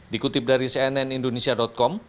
dikutip dari cnn indonesia com